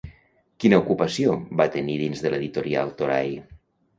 Quina ocupació va tenir dins de l'Editorial Toray?